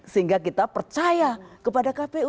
sehingga kita percaya kepada kpu